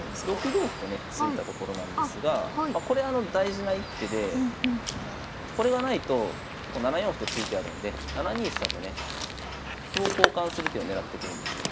６五歩とね突いたところなんですがこれあの大事な一手でこれがないと７四歩と突いてあるんで７二飛車とね歩を交換する手を狙ってくるんですよ。